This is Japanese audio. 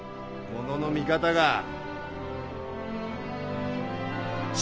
ものの見方が。